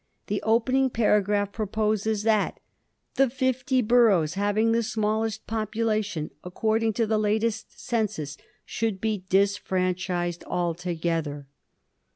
The opening paragraph proposes that "the fifty boroughs having the smallest population according to the latest census should be disfranchised altogether."